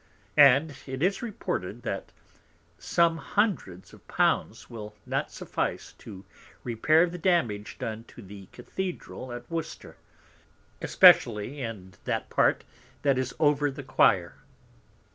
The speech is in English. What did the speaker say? And it is reported, that some Hundreds of Pounds will not suffice to repair the Damage done to the Cathedral at Worcester, especially in that Part that is over the Quire.